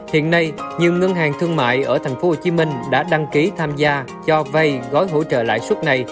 hiện nay nhiều ngân hàng thương mại ở tp hcm đã đăng ký tham gia cho vay gói hỗ trợ lãi suất này